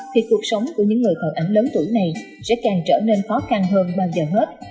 thì cuộc sống của những người còn ảnh lớn tuổi này sẽ càng trở nên khó khăn hơn bao giờ hết